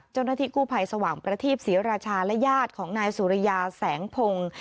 เจ้าหน้าที่กู้ภัยสว่างประทีปศรีราชาและญาติของนายสุริยาแสงพงศ์